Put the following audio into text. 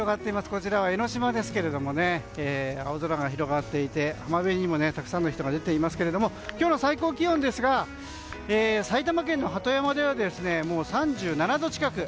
こちらは江の島ですけれども青空が広がっていて浜辺にもたくさんの人が出ていますが今日の最高気温ですが埼玉県の鳩山では、３７度近く。